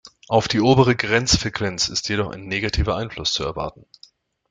Auf die obere Grenzfrequenz ist jedoch ein negativer Einfluss zu erwarten.